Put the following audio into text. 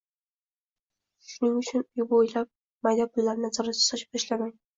Shuning uchun uy bo‘ylab mayda pullarni nazoratsiz sochib tashlamang